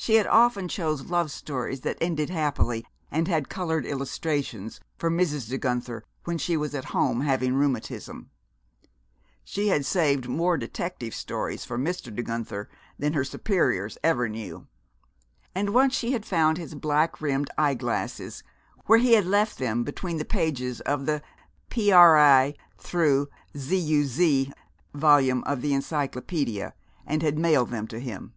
She often chose love stories that ended happily and had colored illustrations for Mrs. De Guenther when she was at home having rheumatism; she had saved more detective stories for Mr. De Guenther than her superiors ever knew; and once she had found his black rimmed eye glasses where he had left them between the pages of the Pri Zuz volume of the encyclopedia, and mailed them to him.